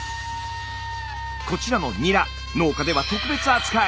こちらのニラ農家では特別扱い。